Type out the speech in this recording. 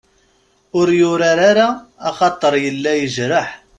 Ur yurar ara axaṭer yella yejreḥ.